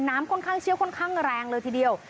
น้ำค่อนข้างเชี่ยวค่อนข้างแรงเลยทีเดียว